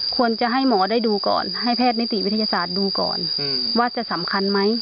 ควรจะให้หมอได้ดูก่อนให้แพทย์นิติวิทยาศาสตร์ดูก่อนว่าจะสำคัญไหม